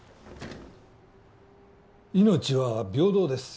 命は平等です